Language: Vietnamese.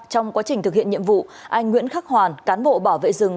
trong quá trình thực hiện nhiệm vụ anh nguyễn khắc hoàn cán bộ bảo vệ rừng